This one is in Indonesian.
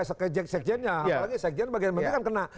apalagi sekjen bagian bagian kan kena